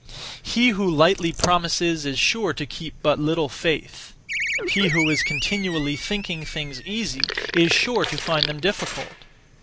He who lightly promises is sure to keep but little faith; he who is continually thinking things easy is sure to find them difficult.